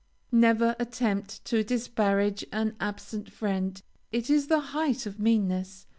Never attempt to disparage an absent friend. It is the height of meanness.